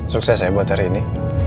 sukses ya buat hari ini